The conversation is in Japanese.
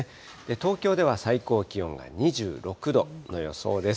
東京では最高気温が２６度の予想です。